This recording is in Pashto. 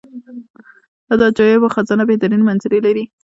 دا د عجایبو خزانه بهترینې منظرې لري.